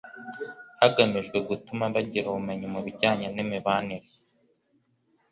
hagamijwe gutuma bagira ubumenyi mu bijyanye n'imibanire,